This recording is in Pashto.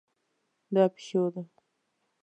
دا پیشو ده